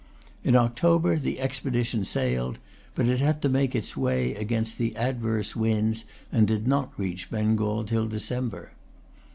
In October the expedition sailed; but it had to make its way against adverse winds and did not reach Bengal till December.